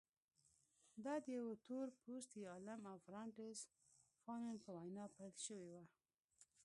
دا د یوه تور پوستي عالم فرانټس فانون په وینا پیل شوې وه.